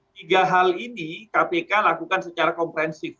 tiga hal ini kpk lakukan secara komprehensif